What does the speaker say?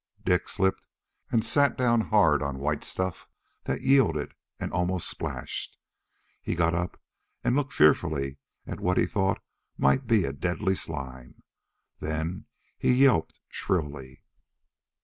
Dik slipped and sat down hard on white stuff that yielded and almost splashed. He got up and looked fearfully at what he thought might be a deadly slime. Then he yelped shrilly.